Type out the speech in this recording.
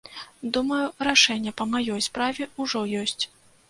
Думаю, рашэнне па маёй справе ўжо ёсць.